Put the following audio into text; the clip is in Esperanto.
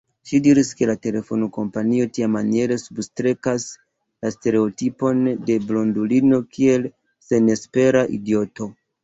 Ŝi diris, ke la telefonkompanio tiamaniere substrekas la stereotipon de blondulino kiel senespera idioto.